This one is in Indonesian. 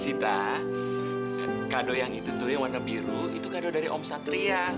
sita kado yang itu tuh yang warna biru itu kado dari om satria